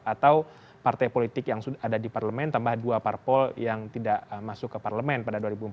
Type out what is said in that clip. atau partai politik yang sudah ada di parlemen tambah dua parpol yang tidak masuk ke parlemen pada dua ribu empat belas